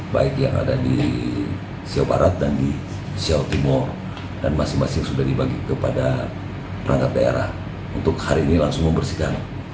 baik yang ada di jawa barat dan di jawa timur dan masing masing sudah dibagi kepada perangkat daerah untuk hari ini langsung membersihkan